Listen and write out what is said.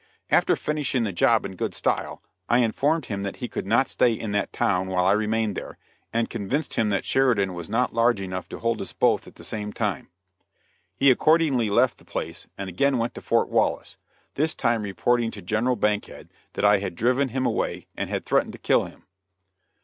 After finishing the job in good style, I informed him that he could not stay in that town while I remained there, and convinced him that Sheridan was not large enough to hold us both at the same time; he accordingly left the place and again went to Fort Wallace, this time reporting to General Bankhead that I had driven him away, and had threatened to kill him.